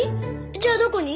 じゃあどこに？